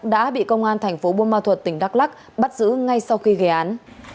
đã bị công an thành phố bô ma thuật tỉnh đắk lắc bắt giữ ngay sau khi ghé án